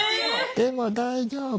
でも大丈夫！